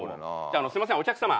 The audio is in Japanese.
すいませんお客さま